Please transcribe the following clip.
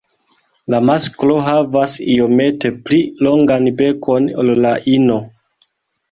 La masklo havas iomete pli longan bekon ol la ino.